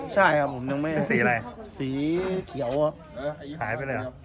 ใช่ครับผมยังไม่เห็นสีอะไรสีเขียวหายไปเลยครับ